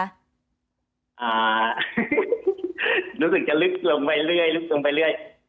อ่ารู้สึกจะลึกลงไปเรื่อย